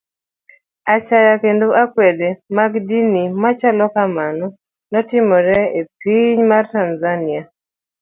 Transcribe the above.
Achaya kendo akwede mag dini machalo kamano notimore e piny mar Tanzania.